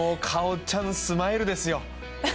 かおちゃんスマイルですよ。